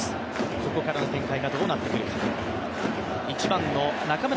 ここからの展開がどうなってくるか。